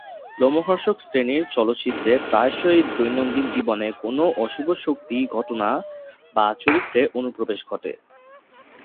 লোমহর্ষক শ্রেণীর চলচ্চিত্রে প্রায়শই দৈনন্দিন জীবনে কোনও অশুভ শক্তি, ঘটনা বা চরিত্রের অনুপ্রবেশ ঘটে।